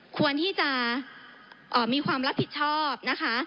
ควรที่จะมีความรับผิดชอบนะคะ